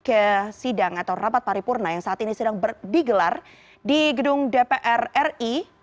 ke sidang atau rapat paripurna yang saat ini sedang digelar di gedung dpr ri